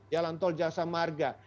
jalan tol jasa marga